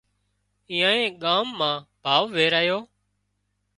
ايئانئي ڳام مان ڀاوَ ويرايو